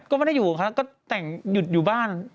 ก็ไม่ได้อยู่นะคะก็อยู่บ้าน